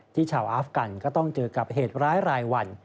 ชาวอาฟกันก็ต้องเจอกับเหตุร้ายรายวัน